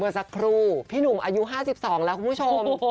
สักครู่พี่หนุ่มอายุ๕๒แล้วคุณผู้ชม